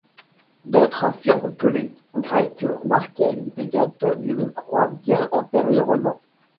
D'autres affirment que les Grecs marquaient des gâteaux d'une croix bien antérieurement.